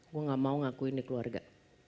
gue gak mau ngakuin di keluarga